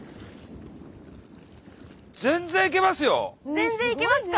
全然行けますか？